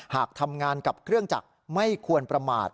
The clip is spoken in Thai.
หากทำงานกับเครื่องจักรไม่ควรประมาท